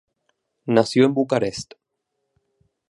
Nació en Bucarest.